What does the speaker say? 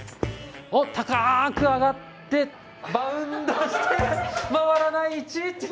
おっ高く上がってバウンドして回らない１！